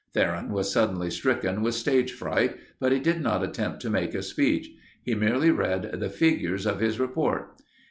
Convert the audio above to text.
Theron was suddenly stricken with stage fright, but he did not attempt to make a speech. He merely read the figures of his report.